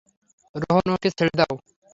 রোহন ওকে ছেড়ে দাও।